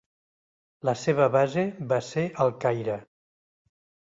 La seva base va ser al Caire.